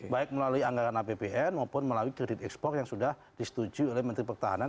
baik melalui anggaran apbn maupun melalui kredit ekspor yang sudah disetujui oleh menteri pertahanan